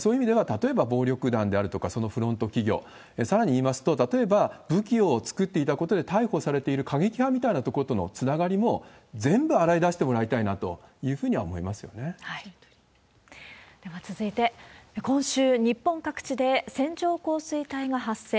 そういう意味では、例えば暴力団であるとか、そのフロント企業、さらに言いますと、例えば武器を作っていたことで逮捕されている過激派みたいなとことのつながりも、全部洗い出してもらいたいなというふうには思いでは続いて、今週、日本各地で線状降水帯が発生。